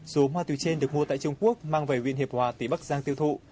số ma túy trên được mua tại trung quốc mang về huyện hiệp hòa tỉnh bắc giang tiêu thụ